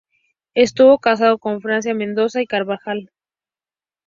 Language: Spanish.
Estuvo casado con Francisca de Mendoza y Carvajal.